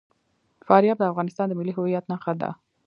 فاریاب د افغانستان د ملي هویت نښه ده.